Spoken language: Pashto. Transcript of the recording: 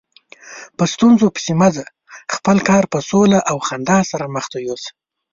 په ستونزو پسې مه ځه، خپل کار په سوله او خندا سره مخته یوسه.